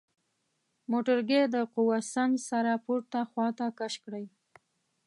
موټرګی د قوه سنج سره پورته خواته کش کړئ.